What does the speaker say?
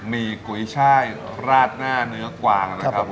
มีกุยไช่ราดหน้าเนื้อกวางครับครับผม